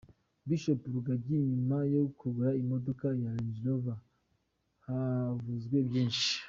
Bishop Rugagi nyuma yo kugura imodoka ya Ranger Rover, havuzwe byinshi.